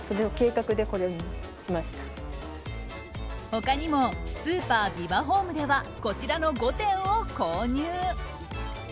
他にもスーパービバホームではこちらの５点を購入。